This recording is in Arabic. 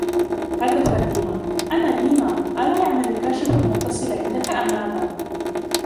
هتف ديما: " أنا ديما! ألا يعمل كاشف المتصل عندك أم ماذا ؟"